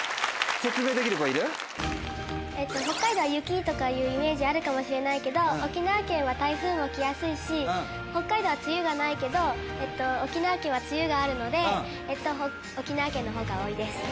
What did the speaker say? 北海道は雪とかいうイメージあるかもしれないけど沖縄県は台風も来やすいし北海道は梅雨がないけど沖縄県は梅雨があるので沖縄県のほうが多いです。